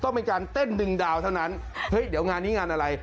เป็นการเต้นดึงดาวเท่านั้นเฮ้ยเดี๋ยวงานนี้งานอะไร